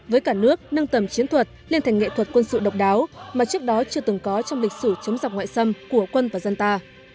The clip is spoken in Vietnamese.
với cả nước nâng tầm chiến thuật lên thành nghệ thuật quân sự độc đáo mà trước đó chưa từng có trong lịch sử chống dọc ngoại xâm của quân và dân ta